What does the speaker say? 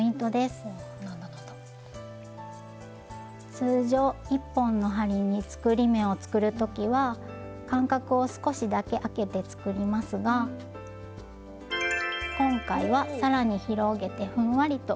通常１本の針に作り目を作る時は間隔を少しだけあけて作りますが今回は更に広げてふんわりと緩めに作ります。